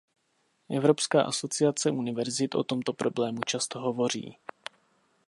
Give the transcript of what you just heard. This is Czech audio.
Evropská asociace univerzit o tomto problému často hovoří.